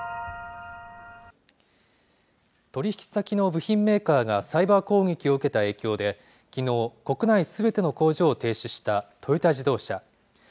取り引き先の部品メーカーがサイバー攻撃を受けた影響で、きのう、国内すべての工場を停止したトヨタ自動車。